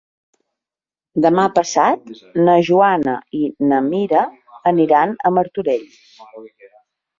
Demà passat na Joana i na Mira aniran a Martorell.